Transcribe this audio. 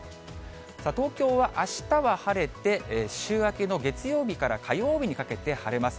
東京はあしたは晴れて、週明けの月曜日から火曜日にかけて晴れます。